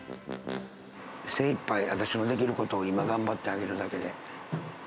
精いっぱい、私のできることを今頑張ってあげるだけで。